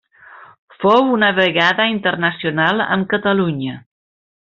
Fou una vegada internacional amb Catalunya.